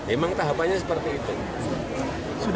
emang tahapannya seperti itu